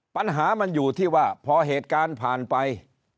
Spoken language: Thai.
ปัญหามันอยู่ที่ว่าพอเหตุการณ์ผ่านไป